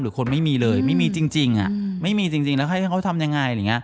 หรือคนไม่มีเลยไม่มีจริงแล้วให้เขาทำยังไง